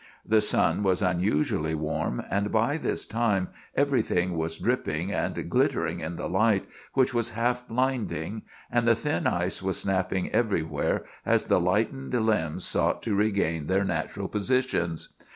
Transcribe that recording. The sun was unusually warm, and by this time everything was dripping and glittering in the light, which was half blinding, and the thin ice was snapping everywhere as the lightened limbs sought to regain their natural positions.